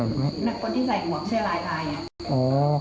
นักคนที่ใส่หัวช่วยลายลาย